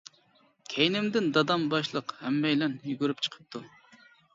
كەينىمدىن دادام باشلىق ھەممەيلەن يۈگۈرۈپ چىقىپتۇ.